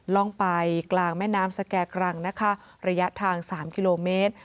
ร่องไปกลางแม่น้ำสแก่กรังนะคะระยะทาง๓กิโลเมตร